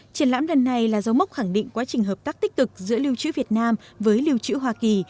triển lãm lần này là dấu mốc khẳng định quá trình hợp tác tích cực giữa lưu trữ việt nam với lưu trữ hoa kỳ